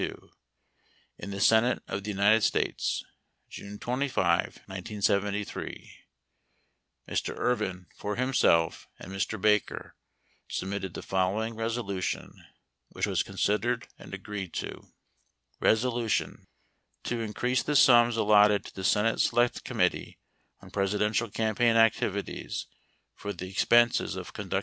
132 IN THE SENATE OE THE UNITED STATES June 25, 1973 Mr. Ervin (for himself and Mr. Baker) submitted the following resolution; which was considered and agreed to RESOLUTION To increase the sums allotted to the Senate Select Committee on Presidential Campaign Activities for the expenses of conduct